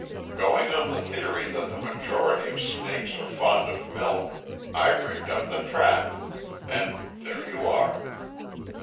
Going on the theory that the majority of snakes are fond of milk, I rigged up the trap. And there you are!"